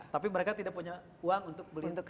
tapi mereka tidak punya uang untuk beli integrasi